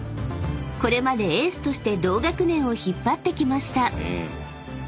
［これまでエースとして同学年を引っ張ってきました］